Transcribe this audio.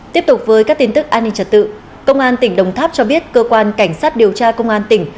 tiếp tục với các tin tức an ninh trật tự công an tỉnh đồng tháp cho biết cơ quan cảnh sát điều tra công an tỉnh